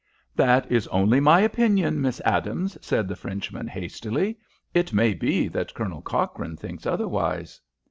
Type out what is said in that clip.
"That is only my opinion, Miss Adams," said the Frenchman, hastily. "It may be that Colonel Cochrane thinks otherwise."